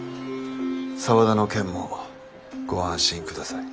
沢田の件もご安心下さい。